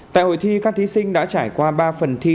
tại hội thi các thí sinh đã trải qua ba phần thi